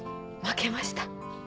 負けました。